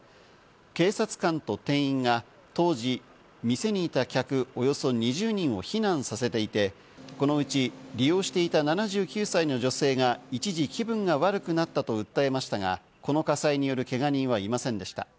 警察官と店員が当時、店にいた客およそ２０人を避難させていて、このうち利用していた７９歳の女性が一時気分が悪くなったと訴えましたが、この火災によるけが人はいませんでした。